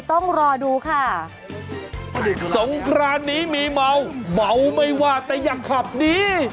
สงครานนี้มีเมาเมาไม่ว่าแต่ยังขับดี